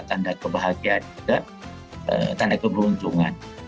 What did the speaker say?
tanda kebahagiaan juga tanda keberuntungan